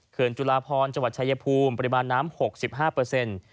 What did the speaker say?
จุลาพรจังหวัดชายภูมิปริมาณน้ำ๖๕เปอร์เซ็นต์